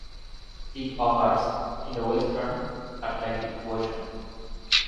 It occurs in the western Atlantic Ocean.